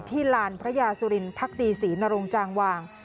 ที่ลานพระยาสุรินทร์พรรคดีศรีนรงจางวาง